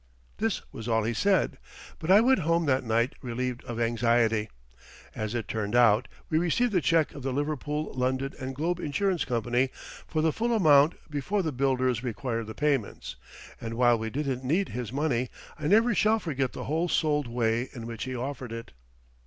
This was all he said, but I went home that night relieved of anxiety. As it turned out, we received the check of the Liverpool, London & Globe Insurance Company for the full amount before the builders required the payments; and while we didn't need his money, I never shall forget the whole souled way in which he offered it.